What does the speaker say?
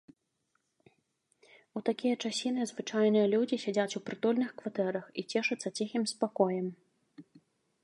У такія часіны звычайныя людзі сядзяць у прытульных кватэрах і цешацца ціхім спакоем.